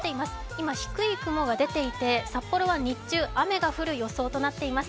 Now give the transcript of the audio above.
今、低い雲が出ていて札幌は日中、雨が降る予想となっています。